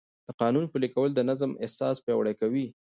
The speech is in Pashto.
د قانون پلي کول د نظم احساس پیاوړی کوي.